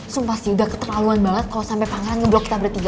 sumpah sih udah keterlaluan banget kalo sampe pangeran ngeblok kita bertiga